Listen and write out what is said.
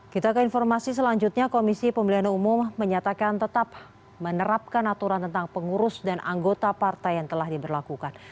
kita ke informasi selanjutnya komisi pemilihan umum menyatakan tetap menerapkan aturan tentang pengurus dan anggota partai yang telah diberlakukan